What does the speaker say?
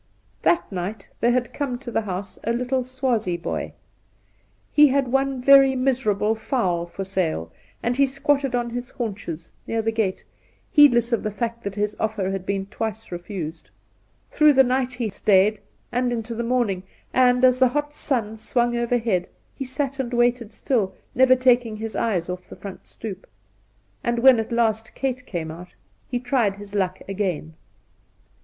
That night there had come to the house a little Swazie boy. He had one very miserable fowl for sale, and he squatted on his haunches near the gate, heedless of the fact that his oflFer had been twice refused. Through the night he stayed, and into the morning, and as the hot sun swung over head he sat and waited still, never taking his eyes off the front stoep. And when at last Kate came out he tried his luck again.